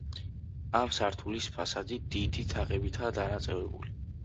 ამ სართულის ფასადი დიდი თაღებითა დანაწევრებული.